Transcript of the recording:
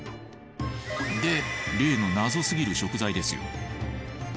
で例のナゾすぎる食材ですよ。